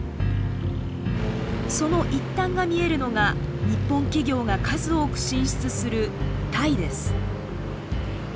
その一端が見えるのが日本企業が数多く進出するタイです。